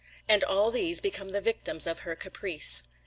And all these become the victims of her caprice.